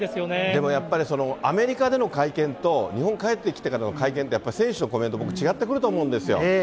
でもやっぱり、アメリカでの会見と、日本帰ってきてからの会見って、やっぱ選手のコメント、違ってくると思うんですよ。